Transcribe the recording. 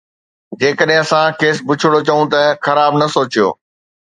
جيڪڏهن اسان کيس بڇڙو چئون ته خراب نه سوچيو